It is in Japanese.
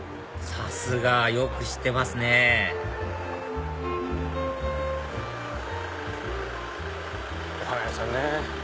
さすがよく知ってますねお花屋さんね。